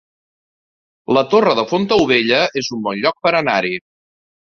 La Torre de Fontaubella es un bon lloc per anar-hi